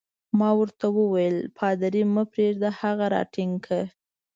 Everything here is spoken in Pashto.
ما ورته وویل: پادري مه پرېږده، هغه راټینګ کړه.